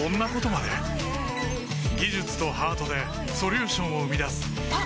技術とハートでソリューションを生み出すあっ！